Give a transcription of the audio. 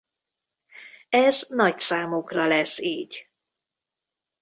Ez nagy számokra lesz így.